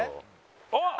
あっ！